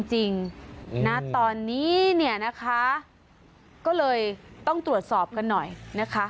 จริงณตอนนี้เนี่ยนะคะก็เลยต้องตรวจสอบกันหน่อยนะคะ